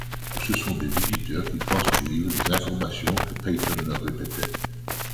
Ce sont des visiteurs qui transcrivirent les informations que Peyton leur répétait.